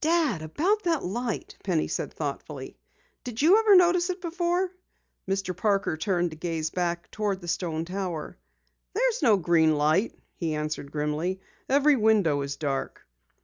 "Dad, about that light," Penny said thoughtfully. "Did you ever notice it before?" Mr. Parker turned to gaze back toward the stone tower. "There's no green light," he answered grimly. "Every window is dark."